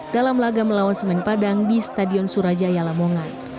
dalam laga melawan semen padang di stadion surajaya lamongan